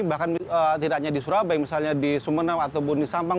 bahkan tidak hanya di surabaya misalnya di sumeneb ataupun di sampang